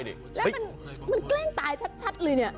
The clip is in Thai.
มันแกล้งตายชัดเลย